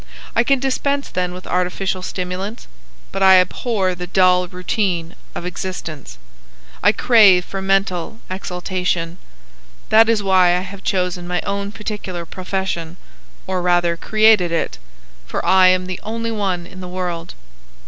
I can dispense then with artificial stimulants. But I abhor the dull routine of existence. I crave for mental exaltation. That is why I have chosen my own particular profession,—or rather created it, for I am the only one in the world."